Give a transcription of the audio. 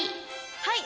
はい。